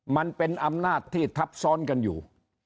มันเป็นอำนาจที่ทับซ้อนกันอยู่